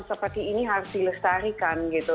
seperti ini harus dilestarikan gitu